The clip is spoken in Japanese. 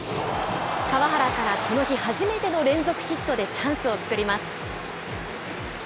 川原からこの日、初めての連続ヒットでチャンスを作ります。